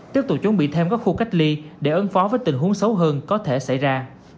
tiếp tục chuẩn bị thêm các khu cách ly để ứng phó với tình huống xấu hơn có thể xảy ra